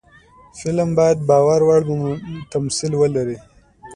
فلم باید باور وړ تمثیل ولري